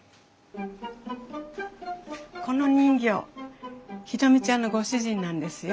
この人形宏美ちゃんのご主人なんですよ。